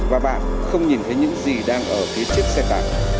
và bạn không nhìn thấy những gì đang ở phía trước xe tải